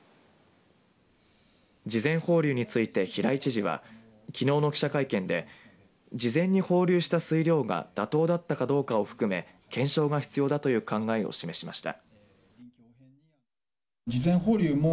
事前放流について、平井知事はきのうの記者会見で事前に放流した水量が妥当だったかどうかを含め検証が必要だという考えを示しました。